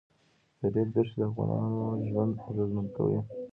د ریګ دښتې د افغانانو ژوند اغېزمن کوي.